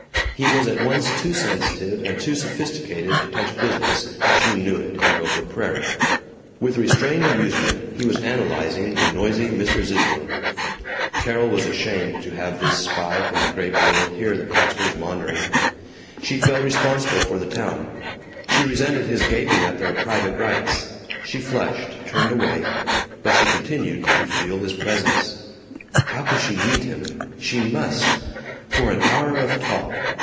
He was at once too sensitive and too sophisticated to touch business as she knew it in Gopher Prairie. With restrained amusement he was analyzing the noisy Mr. Zitterel. Carol was ashamed to have this spy from the Great World hear the pastor's maundering. She felt responsible for the town. She resented his gaping at their private rites. She flushed, turned away. But she continued to feel his presence. How could she meet him? She must! For an hour of talk.